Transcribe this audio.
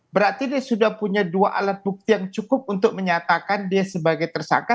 berarti dia sudah punya dua alat bukti yang cukup untuk menyatakan dia sebagai tersangka